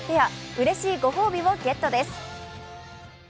うれしいご褒美をゲットです。